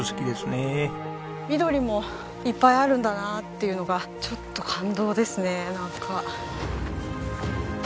緑もいっぱいあるんだなっていうのがちょっと感動ですねなんか。